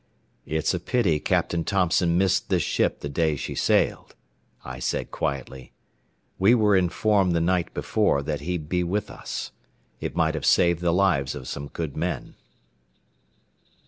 "It's a pity Captain Thompson missed this ship the day she sailed," I said quietly. "We were informed the night before that he'd be with us. It might have saved the lives of some good men."